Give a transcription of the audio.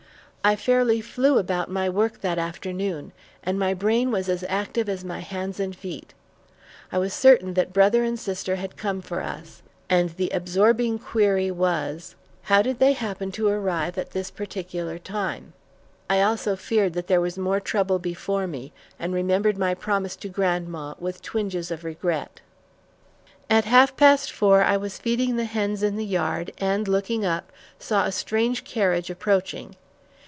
I fairly flew about my work that afternoon, and my brain was as active as my hands and feet. I was certain that brother and sister had come for us, and the absorbing query was, "How did they happen to arrive at this particular time?" I also feared there was more trouble before me, and remembered my promise to grandma with twinges of regret. At half past four, I was feeding the hens in the yard, and, looking up, saw a strange carriage approaching.